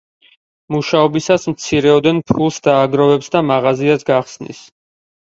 მუშაობისას მცირეოდენ ფულს დააგროვებს და მაღაზიას გახსნის.